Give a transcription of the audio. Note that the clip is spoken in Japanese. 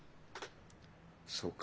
そうか。